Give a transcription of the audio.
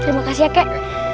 terima kasih ya kek